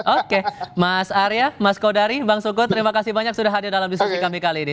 oke mas arya mas kodari bang sugo terima kasih banyak sudah hadir dalam diskusi kami kali ini